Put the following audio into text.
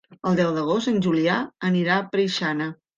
El deu d'agost en Julià anirà a Preixana.